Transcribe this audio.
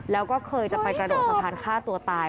แล้วก็เคยจะไปกระโดดสะพานฆ่าตัวตาย